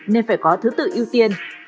nên phải có thứ tự ưu tiên